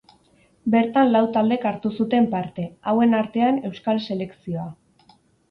Bertan lau taldek hartu zuten parte, hauen artean Euskal selekzioa.